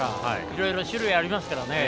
いろいろ種類ありますからね。